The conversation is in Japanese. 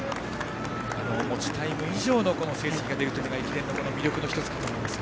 持ちタイム以上の成績が出るのが駅伝の１つの魅力だと思いますが。